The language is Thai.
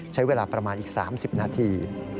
ใช้เวลาประมาณอีก๓๐นาที